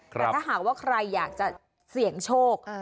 แต่ถ้าหากว่าใครอยากจะเสี่ยงโชค